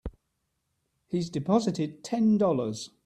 He's deposited Ten Dollars.